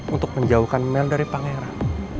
untuk menjauhkan mel dari pangeran